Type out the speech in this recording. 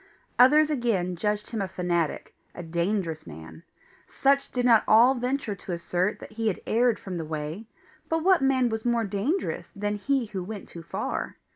Others again judged him a fanatic a dangerous man. Such did not all venture to assert that he had erred from the way, but what man was more dangerous than he who went too far?